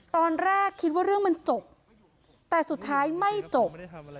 ตอนแรกคิดว่าเรื่องมันจบแต่สุดท้ายไม่จบ